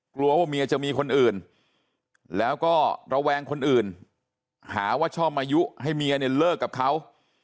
กลัวว่าเมียจะมีคนอื่นแล้วก็ระแวงคนอื่นหาว่าชอบมายุให้เมียเนี่ยเลิกกับเขา